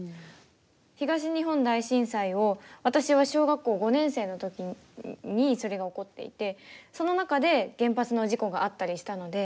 東日本大震災を私は小学校５年生の時にそれが起こっていてその中で原発の事故があったりしたので。